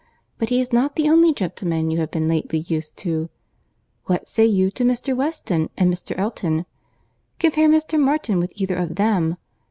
But he is not the only gentleman you have been lately used to. What say you to Mr. Weston and Mr. Elton? Compare Mr. Martin with either of them.